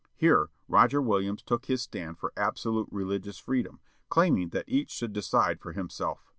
Here Roger Williams took his stand for absolute religious freedom, claiming that each should decide for himself.